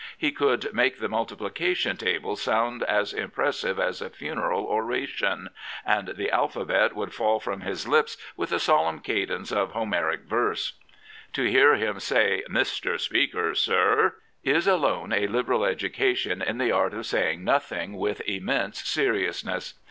He could make the multiplica tion table sound as impressive as a funeral oration, and the alphabet would fall from his lips with the solemn cadence of Homeric verse. To hear him say " Mr. Speaker, sir,'' is alone a liberal education in the art of sa3dng nothing with immense seriousness.